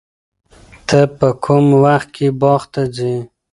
ته په کوم وخت کې باغ ته ځې؟